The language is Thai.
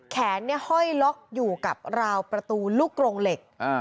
แขนห้อยล็อกอยู่กับราวประตูลูกกรงเหล็ก